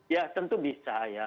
ya tentu bisa ya